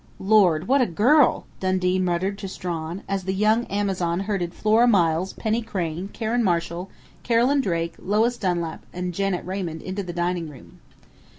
"Lord! What a girl!" Dundee muttered to Strawn, as the young Amazon herded Flora Miles, Penny Crain, Karen Marshall, Carolyn Drake, Lois Dunlap and Janet Raymond into the dining room.